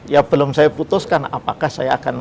ya belum saya putuskan apakah saya akan